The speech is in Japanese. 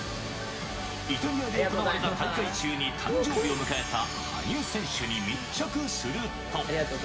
イタリアで行われた大会中に誕生日を迎えた羽生選手に密着すると。